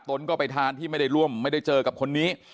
ตนก็ไปทานที่ไม่ได้ร่วมไม่ได้เจอกับคนนี้